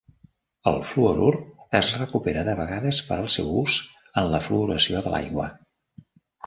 El fluorur es recupera de vegades per al seu ús en la fluoració de l'aigua.